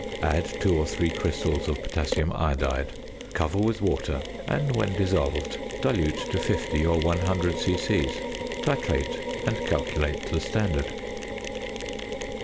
Add 2 or 3 crystals of potassium iodide; cover with water; and, when dissolved, dilute to 50 or 100 c.c. Titrate, and calculate the standard.